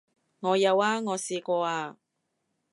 我有啊，我試過啊